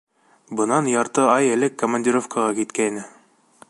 Бынан ярты ай элек командировкаға киткәйне.